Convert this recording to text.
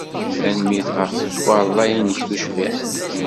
Tanemmirt ɣef tkarḍa-nnek tucbiḥt.